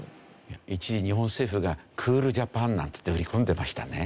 一時日本政府がクールジャパンなんつって売り込んでましたね。